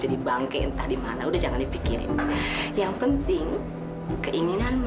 kan ke energi lagi